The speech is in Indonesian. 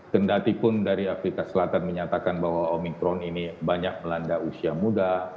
kendati pun dari afrika selatan menyatakan bahwa omicron ini banyak melanda usia muda